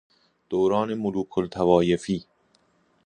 دوران ملوک الطوایفی